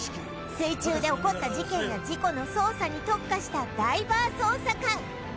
水中で起こった事件や事故の捜査に特化したダイバー捜査官